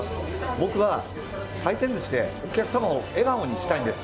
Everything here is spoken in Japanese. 僕は回転ずしでお客様を笑顔にしたいんです。